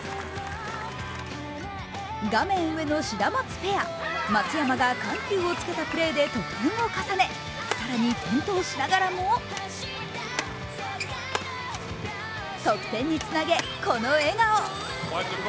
画面上のシダマツペア、松山が緩急を付けたプレーで得点を重ね、更に転倒しながらも得点につなげ、この笑顔。